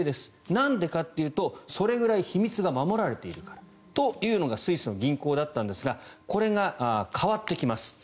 なんでかというとそれぐらい秘密が守られているからというのがスイスの銀行だったんですがこれが変わってきます。